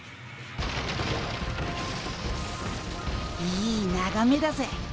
いいながめだぜ。